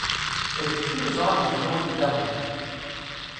D kečč i yeẓṛan d acu i k-ilaqen.